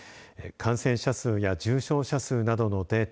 感染者数や重症者数などのデータ